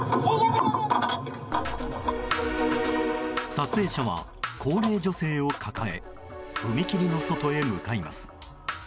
撮影者は高齢女性を抱え踏切の外へ向かいます。